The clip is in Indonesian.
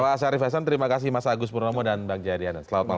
pak asyarif haishan terima kasih mas agus purnomo dan bang jaya riana selamat malam